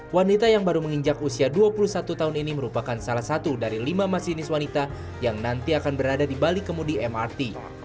wanita yang baru menginjak usia dua puluh satu tahun ini merupakan salah satu dari lima masinis wanita yang nanti akan berada di balik kemudi mrt